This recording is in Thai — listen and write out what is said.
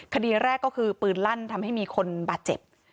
คดีแรกก็คือปืนลั่นทำให้มีคนบาดเจ็บ